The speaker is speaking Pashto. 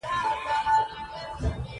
هلته یو لوی مار زما ملګری و خوړ.